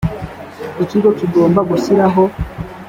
ikigo kigomba gushyiraho